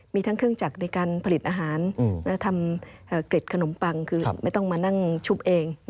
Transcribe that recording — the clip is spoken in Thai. มีทั้งเครื่องจักรในการผลิตอาหารและทำเกร็ดขนมปังคือไม่ต้องมานั่งชุบเอง